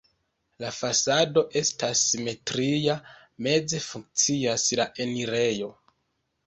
La fasado estas simetria, meze funkcias la enirejo.